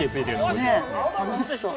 楽しそう。